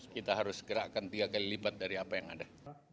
kita harus gerakkan tiga kali lipat dari apa yang ada